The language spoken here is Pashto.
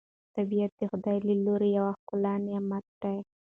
طبیعت د خدای له لوري یو ښکلی نعمت دی